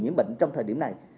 nhiễm bệnh trong thời điểm này